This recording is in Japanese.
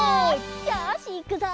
よしいくぞ！